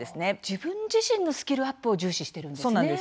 自分自身のスキルアップを重視しているんですね。